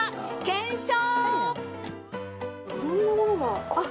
検証。